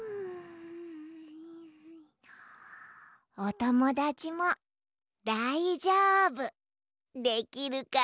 おともだちもだいじょうぶできるかな？